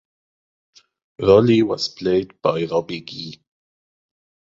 Roly was played by Robbie Gee.